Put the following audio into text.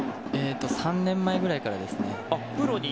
３年前ぐらいからですね。